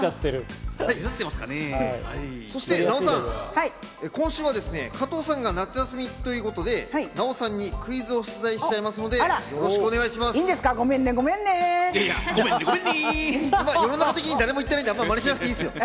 そしてナヲさん、今週はですね、加藤さんが夏休みということでナヲさんにクイズを出題しちゃいますのでよろしくお願いしいいんですか？